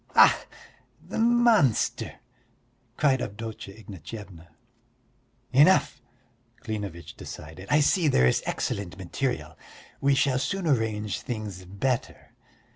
"Ach, the monster!" cried Avdotya Ignatyevna. "Enough!" Klinevitch decided. "I see there is excellent material. We shall soon arrange things better.